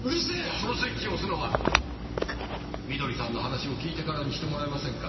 そのスイッチを押すのは美登里さんの話を聞いてからにしてもらえませんか。